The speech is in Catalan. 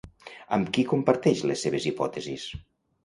Amb qui comparteix les seves hipòtesis?